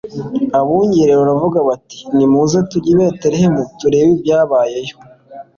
abungeri baravugana bati: «Nimuze tujye i Betelehemu turebe ibyabayeyo,